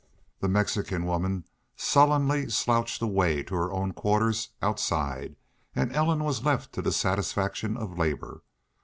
The Mexican woman sullenly slouched away to her own quarters outside and Ellen was left to the satisfaction of labor.